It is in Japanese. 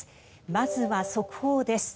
まずは速報です。